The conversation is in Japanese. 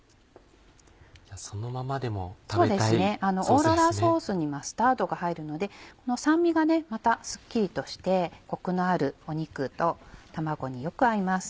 オーロラソースにマスタードが入るのでこの酸味がまたすっきりとしてコクのある肉と卵によく合います。